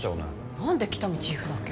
何で喜多見チーフだけ？